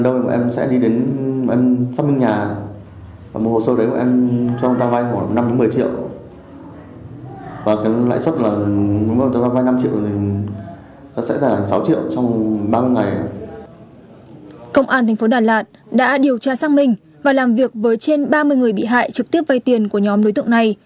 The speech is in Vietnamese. đã điều tra xác minh và làm việc với trên ba mươi người bị hại trực tiếp vây tiền của nhóm đối tượng này